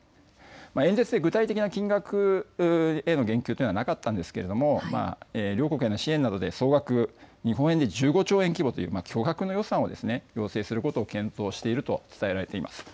演説で具体的な金額への言及はなかったんですが両国への支援などで総額、日本円で１５兆円規模という巨額の予算を検討することが伝えられています。